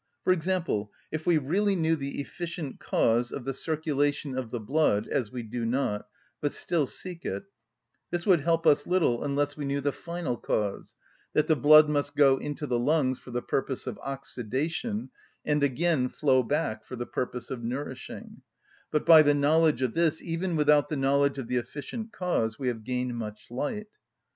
For example, if we really knew the efficient cause of the circulation of the blood, as we do not, but still seek it, this would help us little unless we knew the final cause, that the blood must go into the lungs for the purpose of oxidation, and again flow back for the purpose of nourishing; but by the knowledge of this, even without the knowledge of the efficient cause, we have gained much light.